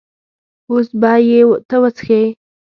اوس به یې ته وڅښې.